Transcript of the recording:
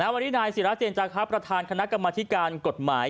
วันนี้นายศิราเจนจาครับประธานคณะกรรมธิการกฎหมาย